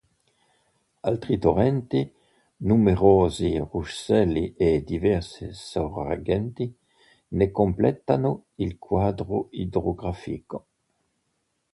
Altri torrenti, numerosi ruscelli e diverse sorgenti ne completano il quadro idrografico.